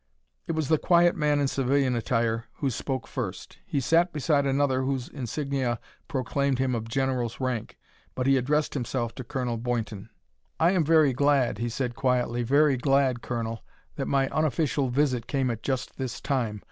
It was the quiet man in civilian attire who spoke first. He sat beside another whose insignia proclaimed him of general's rank, but he addressed himself to Colonel Boynton. "I am very glad," he said quietly, "very glad. Colonel, that my unofficial visit came at just this time.